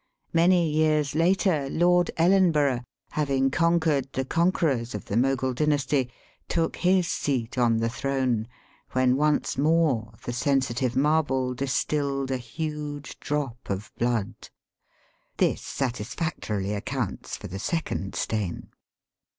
Many years later Lord EUenborough, having conquered the conquerors of the Mogul dynasty, took his seat on the throne, when once more the sensitive marble distilled a huge drop of blood. This satisfactorily accounts for the second stain.